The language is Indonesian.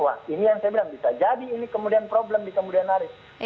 wah ini yang saya bilang bisa jadi ini kemudian problem di kemudian hari